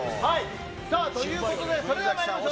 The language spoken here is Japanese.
さあ、ということで、それではまいりましょう。